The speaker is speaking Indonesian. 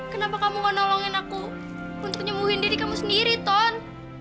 kenapa kamu mau nolongin aku untuk nyemuhin diri kamu sendiri ton